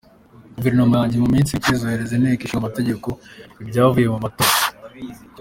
Guverinoma yanjye mu minsi mike izoherereza Inteko Ishinga Amategeko ibyavuye mu matora.